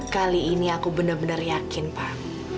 kali ini aku benar benar yakin pak